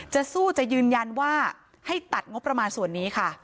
จะสู้จะยืนยันว่าให้ตัดงบประมาณส่วนนี้ค่ะ